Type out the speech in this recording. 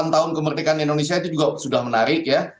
delapan tahun kemerdekaan indonesia itu juga sudah menarik ya